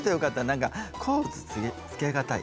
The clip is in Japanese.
何か甲乙つけがたい。